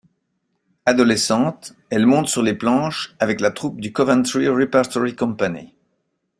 Adolescente elle monte sur les planches avec la troupe du Coventry repertory company.